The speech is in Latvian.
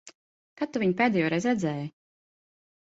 Kad tu viņu pēdējoreiz redzēji?